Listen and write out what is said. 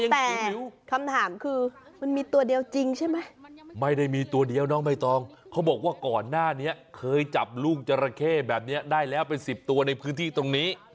แต่คำถามคือมันมีตัวเดียวจริงใช่ไหมไม่ได้มีตัวเดียวน้องใบตองเขาบอกว่าก่อนหน้านี้เคยจับลูกจราเข้แบบนี้ได้แล้วเป็น๑๐ตัวในพื้นที่ตรงนี้